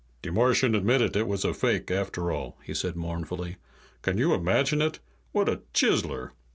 "De Martian admitted it was a fake, after all," he said mournfully. "Can you imachine it? What a chiseler!